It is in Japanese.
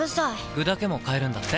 具だけも買えるんだって。